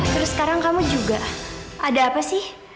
terus sekarang kamu juga ada apa sih